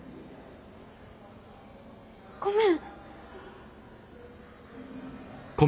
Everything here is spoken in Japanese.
ごめん。